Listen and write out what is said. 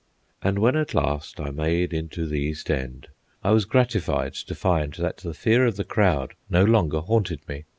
And when at last I made into the East End, I was gratified to find that the fear of the crowd no longer haunted me.